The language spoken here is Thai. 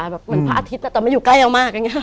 เหมือนพระอาทิตย์แต่ไม่อยู่ใกล้เรามาก